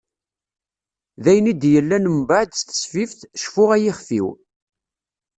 D ayen i d-yellan umbaɛd s tesfift "Cfu ay ixef-iw".